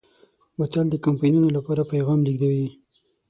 بوتل د کمپاینونو لپاره پیغام لېږدوي.